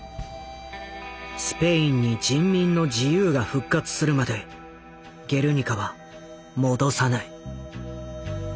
「スペインに人民の自由が復活するまでゲルニカは戻さない」。